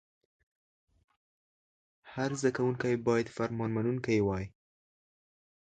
هر زده کوونکی باید فرمان منونکی وای.